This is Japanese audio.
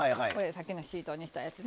さっきのシートにしたやつね。